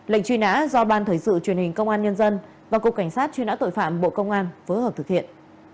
lệnh truy nã do ban thời sự truyền hình công an nhân dân và cục cảnh sát truy nã tội phạm bộ công an phối hợp thực hiện